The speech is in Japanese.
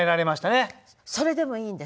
それでもいいんです。